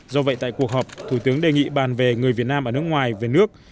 do vậy tại cuộc họp thủ tướng đề nghị bàn về người việt nam ở nước ngoài về nước